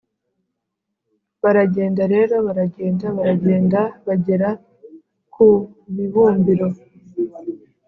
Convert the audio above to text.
baragenda rero, baragenda, baragenda bagera ku bibumbiro